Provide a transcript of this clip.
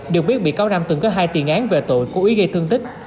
được biết bị cáo nam từng có hai tiền án về tội cố ý gây thương tích